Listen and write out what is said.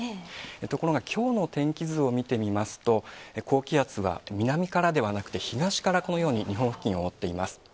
ところがきょうの天気図を見てみますと、高気圧は、南からではなくて、東からこのように、日本付近を覆っています。